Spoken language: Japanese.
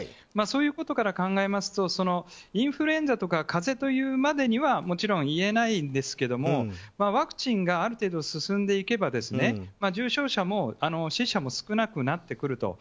そういうことから考えますとインフルエンザとか風邪まではもちろん言えないですけれどもワクチンがある程度進んでいけば重症者も死者も少なくなってくる。